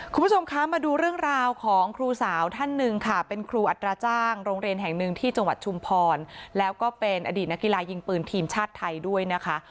คุณผู้ชมคะมาดูเรื่องราวของครูสาวท่านหนึ่งค่ะเป็นครูอัตราจ้างโรงเรียนแห่งหนึ่งที่จังหวัดชุมพรแล้วก็เป็นอดีตนักกีฬายิงปืนทีมชาติไทยด้วยนะคะ